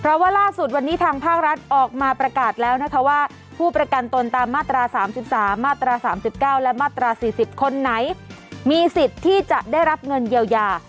เพราะว่าล่าสุดวันนี้ทางภาครัฐออกมาประกาศแล้วนะคะว่าผู้ประกันตนตามมาตรา๓๓มาตรา๓๙และมาตรา๔๐คนไหนมีสิทธิ์ที่จะได้รับเงินเยียวยา